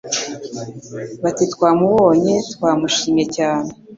Bati: Twamubonye twamushimye cyane,